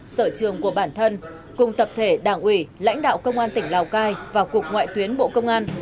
sở trường của bản thân cùng tập thể đảng ủy lãnh đạo công an tỉnh lào cai và cục ngoại tuyến bộ công an